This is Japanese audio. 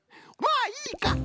まあいいか。